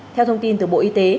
theo thông tin từ bộ y tế